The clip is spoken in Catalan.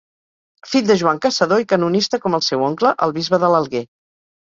Fill de Joan Caçador i canonista com el seu oncle, el bisbe de l'Alguer.